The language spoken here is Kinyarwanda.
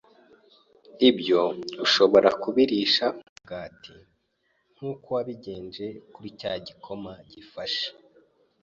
Ibyo ushobora kubirisha umugati, nk’uko wabigenje kuri cya gikoma gifashe.